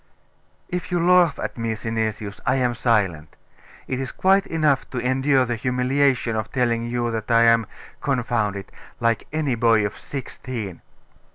'If you laugh at me, Synesius, I am silent. It is quite enough to endure the humiliation of telling you that I am confound it! like any boy of sixteen.